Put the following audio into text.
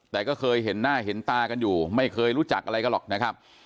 แต่ก็เคยเห็นหน้าเห็นตากันอยู่ไม่เคยรู้จักอะไรกันหรอกนะครับ